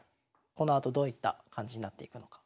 このあとどういった感じになっていくのか。